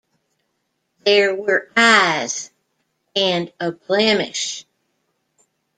There were eyes - and a blemish.